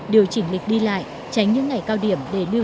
điều chỉnh lịch đi lại tránh những ngày cao điểm để đưa